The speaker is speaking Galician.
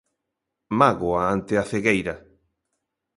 Mágoa ante a cegueira.